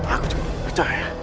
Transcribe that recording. aku cuman percaya